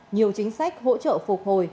nhiều chính sách hỗ trợ phục hồi